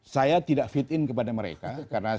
saya tidak fit in kepada mereka karena